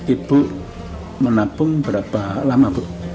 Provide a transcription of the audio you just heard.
ibu menabung berapa lama